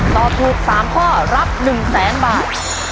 ตอบถูก๓ข้อรับ๑แสนบาท